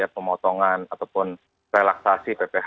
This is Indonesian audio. pemotongan ataupun relaksasi pph dua puluh satu